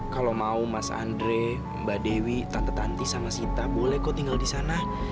kalo mau mas andre mbak dewi tante tanti sama sita boleh kok tinggal disana